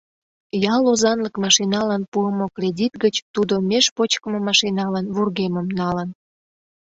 Ял озанлык машиналан пуымо кредит гыч тудо меж почкымо машиналан вургемым налын.